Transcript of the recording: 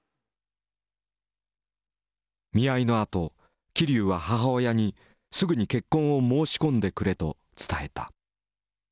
見合いのあと桐生は母親に「すぐに結婚を申し込んでくれ」と伝えた。